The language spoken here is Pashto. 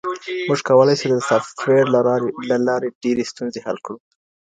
موږ کولای سو چي د سافټویر له لاري ډېري ستونزي حل کړو.